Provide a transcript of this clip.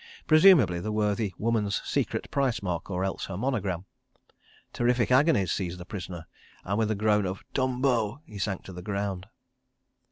Presumably the worthy woman's secret price mark, or else her monogram. Terrific agonies seized the prisoner, and with a groan of "Tumbo," he sank to the ground.